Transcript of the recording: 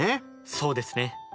そうですね。